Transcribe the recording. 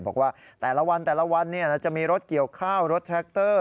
บอกว่าแต่ละวันแต่ละวันจะมีรถเกี่ยวข้าวรถแทรคเตอร์